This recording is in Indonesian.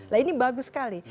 nah ini bagus sekali